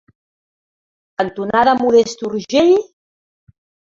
cantonada Modest Urgell?